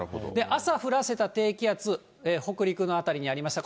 朝降らせた低気圧、北陸の辺りにありました。